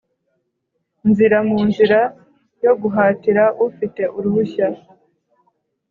Nzira mu nzira yo guhatira ufite uruhushya